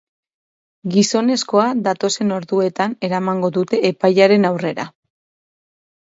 Gizonezkoa datozen orduetan eramango dute epailearen aurrera.